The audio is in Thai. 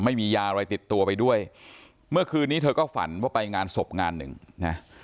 ไม่มียาอะไรติดตัวไปด้วยเมื่อคืนนี้เธอก็ฝันว่าไปงานศพงานหนึ่งนะ